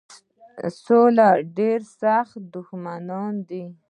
سولي ډېر سخت دښمنان دي.